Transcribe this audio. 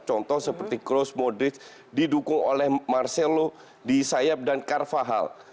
contoh seperti kroos modric didukung oleh marcelo di sayap dan carvajal